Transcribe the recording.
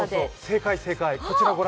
正解、正解。